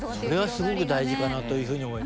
それはすごく大事かなというふうに思う。